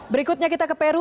berikutnya kita ke peru